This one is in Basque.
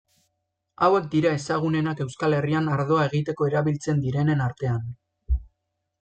Hauek dira ezagunenak Euskal Herrian ardoa egiteko erabiltzen direnen artean.